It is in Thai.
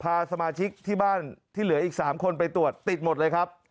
พาสมาชิกที่บ้านที่เหลืออีก๓คนไปตรวจติดหมดเลยครับ